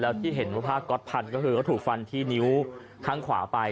แล้วที่เห็นว่าภาคก็ถูกฟันที่นิ้วข้างขวาไป